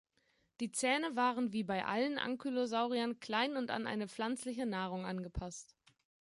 Die Zähne waren wie bei allen Ankylosauriern klein und an eine pflanzliche Nahrung angepasst.